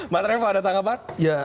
mbak trevo ada tanggapan